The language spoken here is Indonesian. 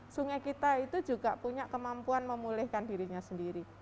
sungai kita itu juga punya kemampuan memulihkan dirinya sendiri